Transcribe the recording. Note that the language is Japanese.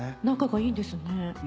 仲がいいんですね。